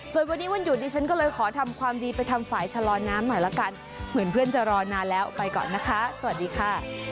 ส่วนวันนี้วันหยุดดิฉันก็เลยขอทำความดีไปทำฝ่ายชะลอน้ำหน่อยละกันเหมือนเพื่อนจะรอนานแล้วไปก่อนนะคะสวัสดีค่ะ